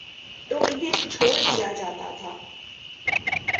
تو انہیں چھوڑ دیا جاتا تھا۔